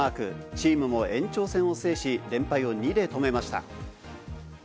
チームも延長戦を制し、連敗を２で止めました。